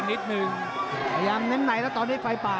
พลิกเหลี่ยมนั่บไหนแล้วตอนนี้ไฟป่า